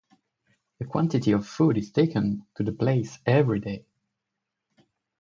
A quantity of food is taken to the place every day.